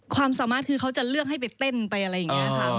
ความสามารถคือเขาจะเลือกให้ไปเต้นไปอะไรอย่างนี้ค่ะ